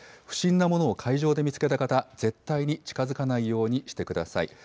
不審なものを海上で見つけた方、絶対に近づかないようにしてください。